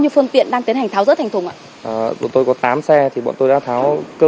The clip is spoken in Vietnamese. nhiêu phương tiện đang tiến hành tháo rỡ thành thùng ạ tụi tôi có tám xe thì bọn tôi đã tháo cơ